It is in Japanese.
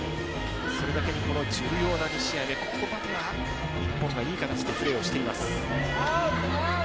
それだけにこの重要な１試合でここまでは日本がいい形でプレーをしています。